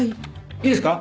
いいですか？